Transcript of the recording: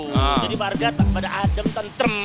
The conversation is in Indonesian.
jadi barga pada adem tenter